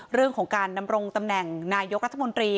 เรื่องของการดำรงตำแหน่งนายกรัฐมนตรี